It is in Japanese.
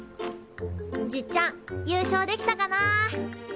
じっちゃん優勝できたかな？